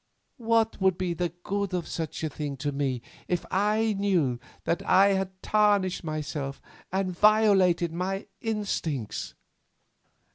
What would be the good of such things to me if I knew that I had tarnished myself and violated my instincts?"